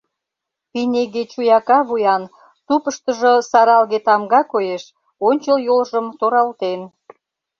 Пинеге чуяка вуян, тупыштыжо саралге тамга коеш, ончыл йолжым торалтен.